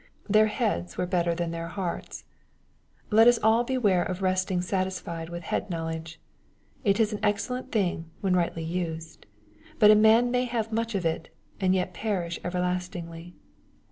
Their heads were • better than their hearts. — ^Let us all beware of resting satisfied with head knowledge. It is an excellent thing, when rightly used. But a man may have much of it, aqd yet perish ever lastingly.